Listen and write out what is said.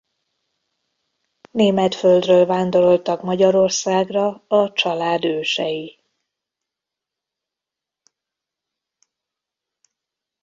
Német földről vándoroltak Magyarországra a család ősei.